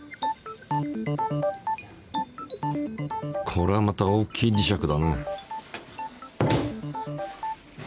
これはまた大きい磁石だね。